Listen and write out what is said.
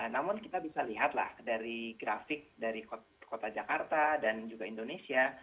namun kita bisa lihatlah dari grafik dari kota jakarta dan juga indonesia